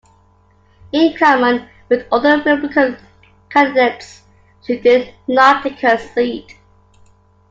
In common with other Republican candidates, she did not take her seat.